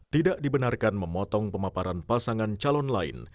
tidak dibenarkan memotong pemaparan pasangan calon lain